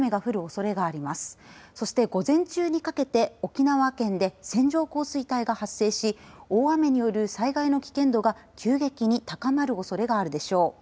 そして午前中にかけて沖縄県で線状降水帯が発生し大雨による災害の危険度が急激に高まるおそれがあるでしょう。